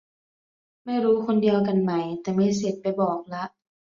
ไม่รู้คนเดียวกันไหม แต่เมสเสจไปบอกละ